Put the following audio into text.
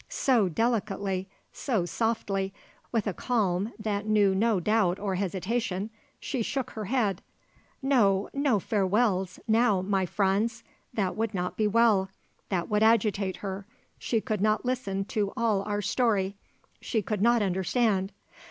So delicately, so softly, with a calm that knew no doubt or hesitation, she shook her head. "No; no farewells, now, my Franz. That would not be well. That would agitate her. She could not listen to all our story. She could not understand.